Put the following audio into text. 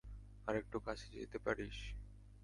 আরেকটু কাছে যেতে পারিস?